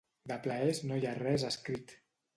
De plaers no hi ha res escrit.